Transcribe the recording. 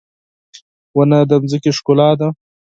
• ونه د ځمکې ښکلا ده.